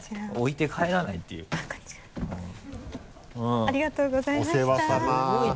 いやありがとうございました。